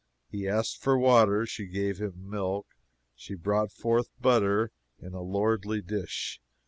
"He asked for water, and she gave him milk; she brought forth butter in a lordly dish.